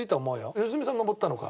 良純さん登ったのか。